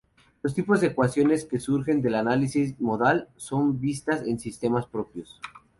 Los tipos de ecuaciones que surgen del análisis modal son vistas en Sistemas propios.